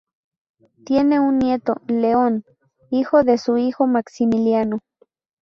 Tiene un nieto, León, hijo de su hijo Maximiliano.